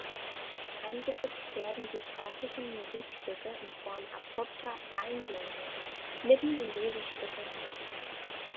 Eingesetzt werden die klassischen Musikstücke in Form abrupter Einblendungen mitten in diese Stücke hinein.